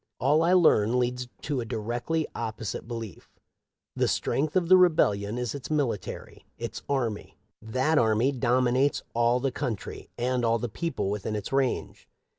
All I learn leads to a directly opposite belief. The strength of the rebellion is its military — its army. That army dominates all the country and all the people within its range.